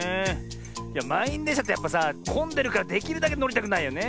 いやまんいんでんしゃってやっぱさこんでるからできるだけのりたくないよね。